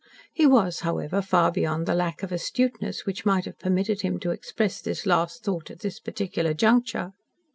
He was, however, far beyond the lack of astuteness which might have permitted him to express this last thought at this particular juncture.